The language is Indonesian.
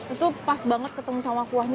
itu pas banget ketemu sama kuahnya